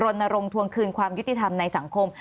รณรงควงคืนความยุติธรรมในสังคม